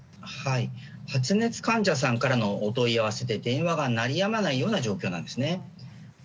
発熱患者さんからのお問い合わせで電話が鳴りやまないような状況なんです。